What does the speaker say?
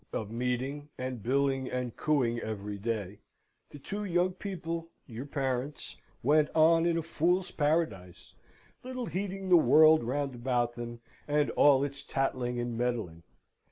of meeting, and billing and cooing every day, the two young people, your parents, went on in a fool's paradise, little heeding the world round about them, and all its tattling and meddling.